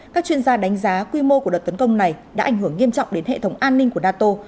các chuyên gia đánh giá quy mô của đợt tấn công này đã ảnh hưởng nghiêm trọng đến hệ thống an ninh của nato